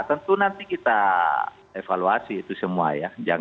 tentu nanti kita evaluasi itu semua ya